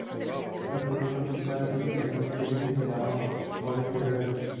El color principal es típicamente gris o marrón, a veces verde.